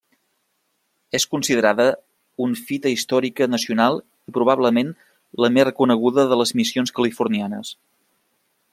És considerada un Fita Històrica Nacional i probablement la més reconeguda de les missions californianes.